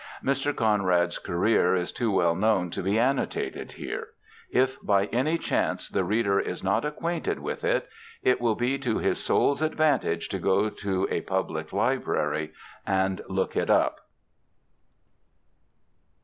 Mr. Conrad's career is too well known to be annotated here. If by any chance the reader is not acquainted with it, it will be to his soul's advantage to go to a public library and look it up.